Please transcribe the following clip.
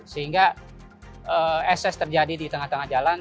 sehingga ekses terjadi di tengah tengah jalan